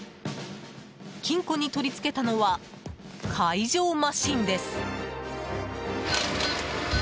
金庫に取り付けたのは解錠マシンです。